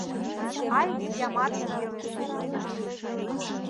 — Ай, киямат! — пелештыш лейтенант.